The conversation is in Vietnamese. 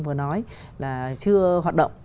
đã nói là chưa hoạt động